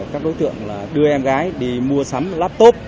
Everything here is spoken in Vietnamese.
các đối tượng đưa em gái đi mua sắm laptop